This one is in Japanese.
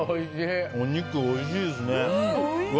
お肉、おいしいですね。